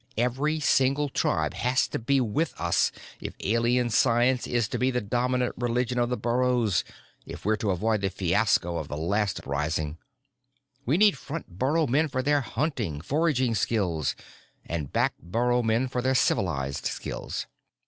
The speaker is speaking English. Every single tribe has to be with us if Alien science is to be the dominant religion of the burrows, if we're to avoid the fiasco of the last rising. We need front burrow men for their hunting, foraging skills and back burrow men for their civilized skills.